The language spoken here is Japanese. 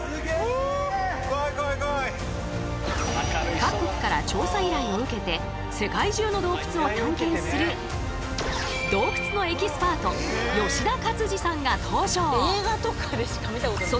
各国から調査依頼を受けて世界中の洞窟を探検する洞窟のエキスパート吉田勝次さんが登場。